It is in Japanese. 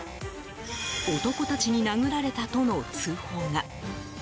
男たちに殴られたとの通報が。